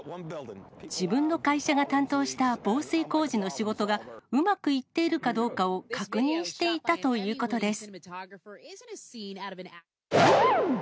自分の会社が担当した防水工事の仕事が、うまくいっているかどうかを確認していたということです。